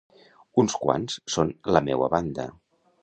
Uns quants són la meua banda.